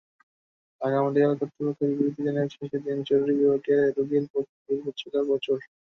Dhaka medical কর্তৃপক্ষ বিবৃতিতে জানিয়েছে, সেদিন জরুরি বিভাগে রোগীর ভিড় ছিল প্রচুর।